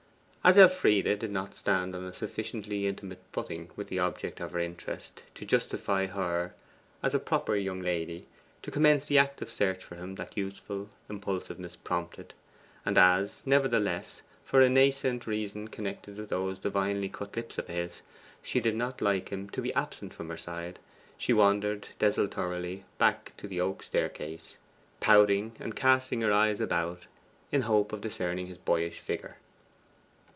As Elfride did not stand on a sufficiently intimate footing with the object of her interest to justify her, as a proper young lady, to commence the active search for him that youthful impulsiveness prompted, and as, nevertheless, for a nascent reason connected with those divinely cut lips of his, she did not like him to be absent from her side, she wandered desultorily back to the oak staircase, pouting and casting her eyes about in hope of discerning his boyish figure.